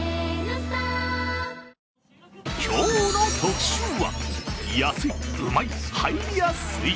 今日の特集は安い、うまい、入りやすい！